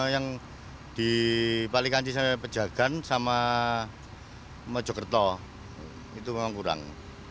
yang di pali kanci sampai pejakan sama jogerto itu memang kurang